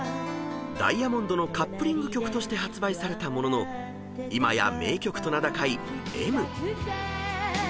［『Ｄｉａｍｏｎｄｓ』のカップリング曲として発売されたものの今や名曲と名高い］